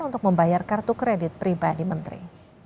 untuk membayar kartu kredit pribadi menteri